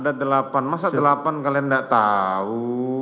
ada delapan masa delapan kalian tidak tahu